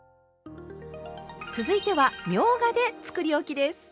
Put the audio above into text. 続いてはみょうがでつくりおきです！